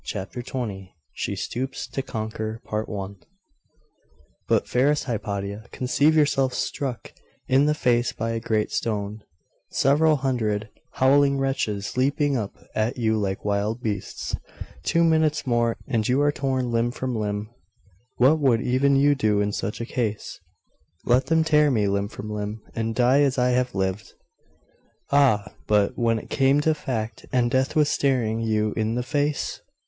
CHAPTER XX: SHE STOOPS TO CONQUER 'But, fairest Hypatia, conceive yourself struck in the face by a great stone, several hundred howling wretches leaping up at you like wild beasts two minutes more, and you are torn limb from limb. What would even you do in such a case?' 'Let them tear me limb from limb, and die as I have lived.' 'Ah, but When it came to fact, and death was staring you in the face?